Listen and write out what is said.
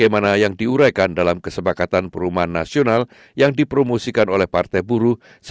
pemerintah tidak akan memiliki ruang untuk menjaga kualifikasi universitas